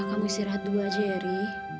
udah kamu istirahat dulu aja ya ri